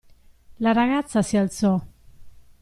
La ragazza si alzò.